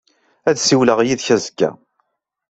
Ad ssiwleɣ yid-k azekka.